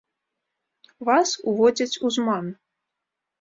Вас уводзяць у зман.